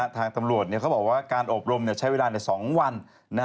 ทางตำรวจเขาบอกว่าการอบรมใช้เวลาใน๒วัน